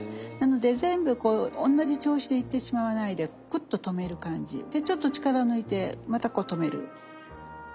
なので全部こう同じ調子でいってしまわないでくっと止める感じ。でちょっと力抜いてまたこう止める。